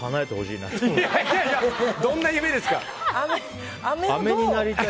どんな夢ですか。